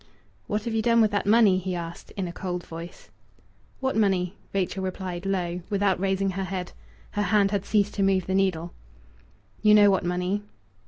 "What have you done with that money?" he asked, in a cold voice. "What money?" Rachel replied, low, without raising her head. Her hand had ceased to move the needle. "You know what money."